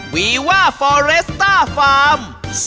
วีว่าฟอเรสต้าฟาร์ม